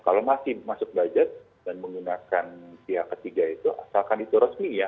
kalau masih masuk budget dan menggunakan pihak ketiga itu asalkan itu resmi ya